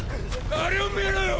あれを見ろよ！！